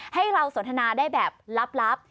ให้เราสนทนาได้แบบลับ